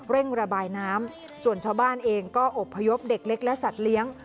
เร่งระบายน้ำส่วนชาวบ้านเองก็อบพยพเด็กเล็กและสัตว์เลี้ยง